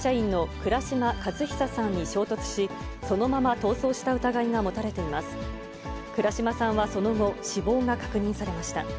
倉島さんはその後、死亡が確認されました。